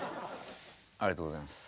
ありがとうございます。